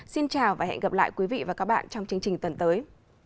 xin chào và hẹn gặp lại quý vị và các bạn trong chương trình tuần tới